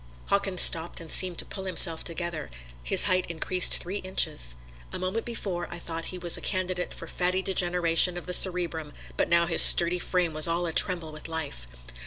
Hawkins stopped and seemed to pull himself together his height increased three inches. A moment before I thought he was a candidate for fatty degeneration of the cerebrum, but now his sturdy frame was all atremble with life.